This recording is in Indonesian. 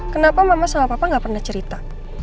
kenapa mama sama papa gak pernah cerita